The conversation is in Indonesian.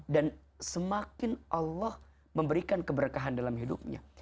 dan semakin allah memberikan keberkahan dalam hidupnya